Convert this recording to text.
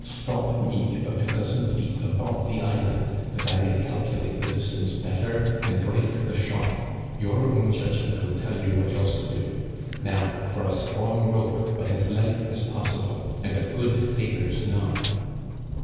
Stop me about a dozen feet above the island, that I may calculate the distance better and break the shock. Your own judgment will tell you what else to do. Now, for a strong rope, but as light as possible, and a good sailor's knot."